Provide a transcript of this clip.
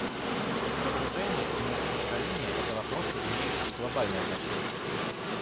Разоружение и нераспространение — это вопросы, имеющие глобальное значение.